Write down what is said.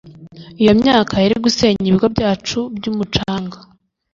iyo myaka yari gusenya ibigo byacu byumucanga